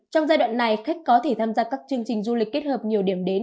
trong giai đoạn này khách có thể tham gia các chương trình du lịch kết hợp nhiều điểm đến